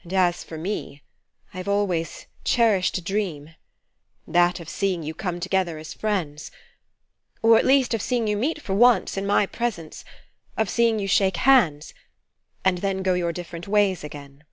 And as for me, I have always cherished a dream that of seeing you come together as friends or at least of seeing you meet for once in my presence of seeing you shake hands and then go your different ways again.